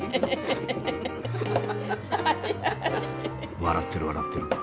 笑ってる笑ってる。